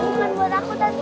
ini kan buat aku tante